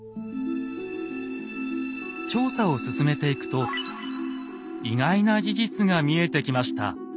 調査を進めていくと意外な事実が見えてきました。